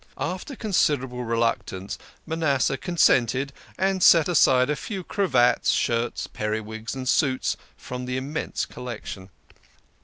After considerable reluctance Manasseh consented, and set aside a few cravats, shirts, periwigs, and suits from the immense collection.